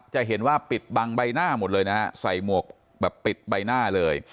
จะเห็นว่าปิดบังใบหน้าหมดเลยนะฮะใส่หมวกแบบปิดใบหน้าเลย